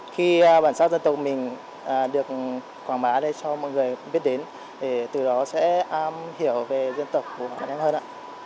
khi bản sắc dân tộc mình được quảng bá để cho mọi người biết đến thì từ đó sẽ hiểu về dân tộc của bản em hơn ạ